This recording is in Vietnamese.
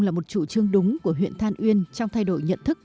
là một chủ trương đúng của huyện than uyên trong thay đổi nhận thức